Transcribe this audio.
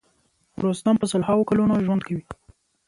رستم په سل هاوو کلونه ژوند کوي.